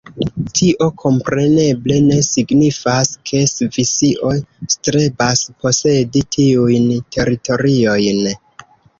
Tio kompreneble ne signifas, ke Svisio strebas posedi tiujn teritoriojn.